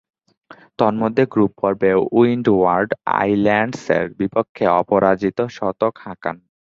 তন্মধ্যে, গ্রুপ পর্বে উইন্ডওয়ার্ড আইল্যান্ডসের বিপক্ষে অপরাজিত শতক হাঁকান।